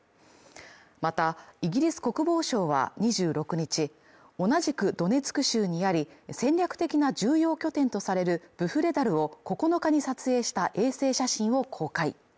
また、イギリス国防省は２６日、同じくドネツク州にあり、戦略的な重要拠点とされるブフレダルを９日に撮影した衛星写真を公開。